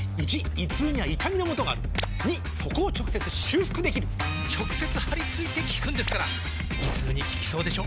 ①胃痛には痛みのもとがある②そこを直接修復できる直接貼り付いて効くんですから胃痛に効きそうでしょ？